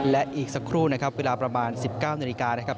และอีกสักครู่เวลาประมาณ๑๙นาฬิกา